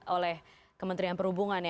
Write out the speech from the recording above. oleh kementerian perhubungan ya